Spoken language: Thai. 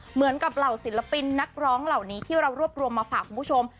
เหล่าศิลปินนักร้องเหล่านี้ที่เรารวบรวมมาฝากคุณผู้ชม